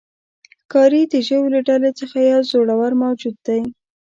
ښکاري د ژویو له ډلې څخه یو زړور موجود دی.